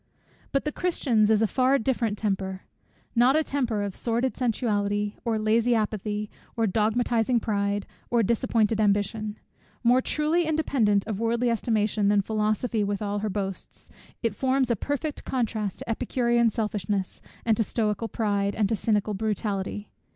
But the Christian's is a far different temper: not a temper of sordid sensuality, or lazy apathy, or dogmatizing pride, or disappointed ambition: more truly independent of worldly estimation than philosophy with all her boasts, it forms a perfect contrast to Epicurean selfishness, and to Stoical pride, and to Cynical brutality.